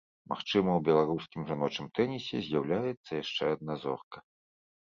Магчыма, у беларускім жаночым тэнісе з'яўляецца яшчэ адна зорка.